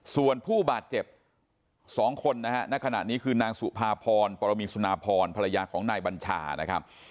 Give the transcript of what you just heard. ส่วนผู้บาดเจ็บ๒คนนะฮะณขณะนี้คือนางสุภาพรปรมีสุนาพรภรรยาของนายบัญชานะครับ